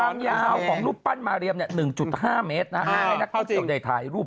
ความยาวของรูปปั้นมาเรียมเนี่ย๑๕เมตรนะฮะอ่าเข้าจริงให้นักฟิศจงใดถ่ายรูป